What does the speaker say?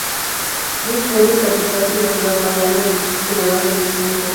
Luisburgo es capital y la ciudad más grande del distrito rural de Luisburgo.